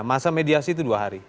masa mediasi itu dua hari